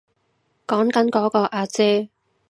講緊嗰個阿姐